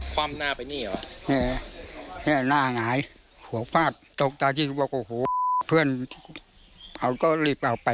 ความหน้าไปนี่เหรอ